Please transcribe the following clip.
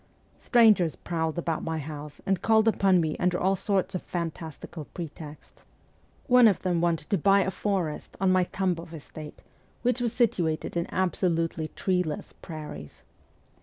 Strangers prowled about my house and called upon me under all sorts of fantastical pretexts : one of them 126 MEMOIRS OF A REVOLUTIONIST wanted to buy a forest on nay Tambov estate, which was situated in absolutely treeless prairies.